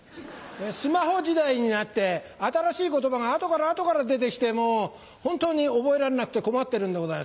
スマホ時代になって新しい言葉が後から後から出てきて本当に覚えられなくて困ってるんでございます。